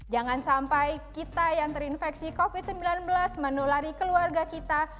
jangan sampai kita yang terinfeksi covid sembilan belas menulari keluarga kita